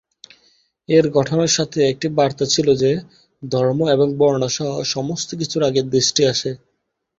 এর গঠনের সাথে একটি বার্তা ছিল যে ধর্ম এবং বর্ণ সহ সমস্ত কিছুর আগে দেশটি আসে।